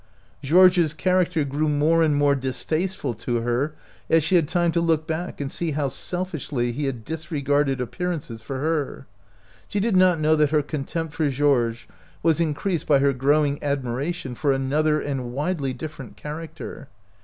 Georges' character grew more and more dis tasteful to her as she had time to look back and see how selfishly he had disregarded appearances for her. She did not know that her contempt for Georges was increased by her growing admiration for another and widely different character.